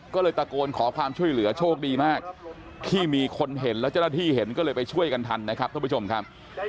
ก็เลยตะโกนขอความช่วยเหลือโชคดีมากที่มีคนเห็นแล้วเจ้าหน้าที่เห็นก็เลยไปช่วยกันทันนะครับท่านผู้ชมครับ